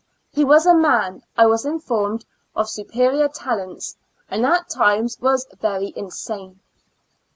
He was a man, I was informed, of superior talents, and at times was very insane.